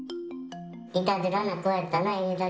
いたずらな子やったな。